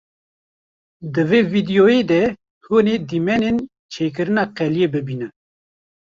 Di vê vîdyoyê de hûn ê dîmenên çêkirina qeliyê bibînin.